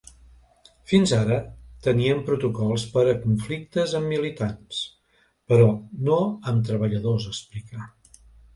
Fins ara teníem protocols per a conflictes amb militants, però no amb treballadors, explica.